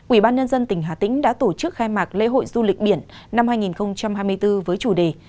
ủy ban nhân dân tỉnh hà tĩnh đã tổ chức khai mạc lễ hội du lịch biển năm hai nghìn hai mươi bốn với chủ đề